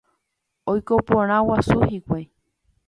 Oiko porã guasu hikuái.